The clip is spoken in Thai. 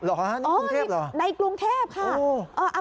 หรอในกรุงเทพเหรอโอ้โหในกรุงเทพค่ะโอ้โห